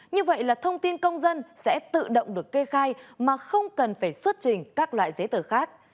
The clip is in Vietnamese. như vậy là thông tin công dân sẽ tự động được kê khai mà không cần phải xuất trình các loại giấy tờ khác